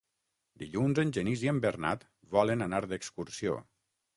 Dilluns en Genís i en Bernat volen anar d'excursió.